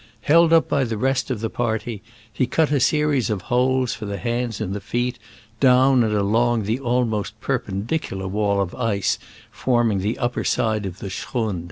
Held up by the rest of the party, he cut a series of holes for the hands and feet, down and along the almost perpendicu lar wall of ice forming the upper side of the schrund.